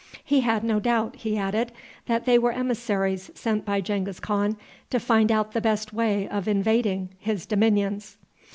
He had no doubt, he added, that they were emissaries sent by Genghis Khan to find out the best way of invading his dominions.